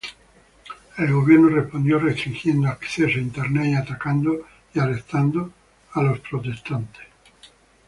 El gobierno respondió restringiendo acceso a Internet y atacando y arrestando a protestantes.